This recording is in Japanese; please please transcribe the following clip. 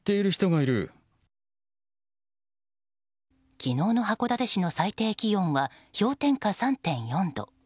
昨日の函館市の最低気温は氷点下３．４度。